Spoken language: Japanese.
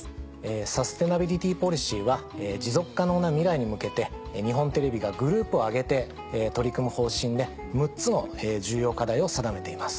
サステナビリティポリシーは持続可能な未来に向けて日本テレビがグループを挙げて取り組む方針で６つの重要課題を定めています。